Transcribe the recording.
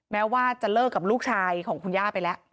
แม้ว่าจะเลิกกับลูกชายของคุณย่าไปแล้ว